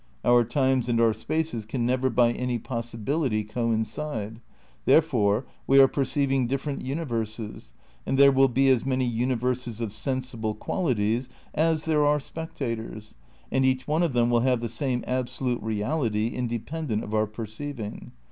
Our times and our spaces can never by any possibility coincide ; therefore we are perceiving different universes and there wiU be as many universes of sensible qualities as there are spectators, and each one of them will have the same absolute reality independent of our perceiving.